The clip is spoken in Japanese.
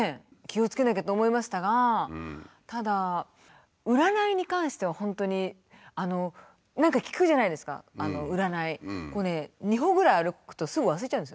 気をつけなきゃと思いましたがただ占いに関しては本当に何か聞くじゃないですか占い。